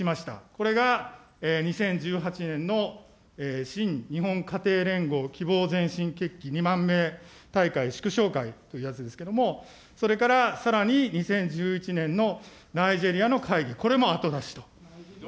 これが２０１８年の新日本家庭連合希望前進決起２万名大会祝勝会というやつですけれども、それからさらに２０１１年のナイジェリアの会議、これも後出しと。